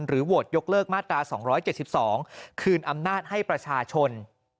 โหวตยกเลิกมาตรา๒๗๒คืนอำนาจให้ประชาชน